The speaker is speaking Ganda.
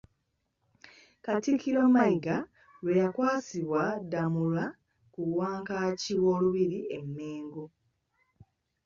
Katikkiro Mayiga lwe yakwasibwa Ddamula ku Wankaaki w'Olubiri e Mmengo.